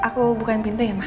aku bukain pintu ya mak